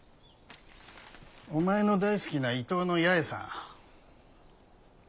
お前の大好きな伊東の八重さん。